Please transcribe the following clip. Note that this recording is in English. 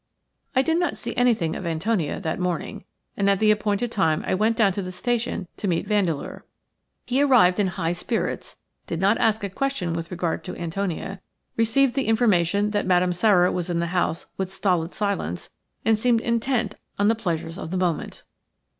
I did not see anything of Antonia that morning, and at the appointed time I went down to the station to meet Vandeleur. He arrived in high spirits, did not ask a question with regard to Antonia, received the information that Madame Sara was in the house with stolid silence, and seemed intent on the pleasures of the moment.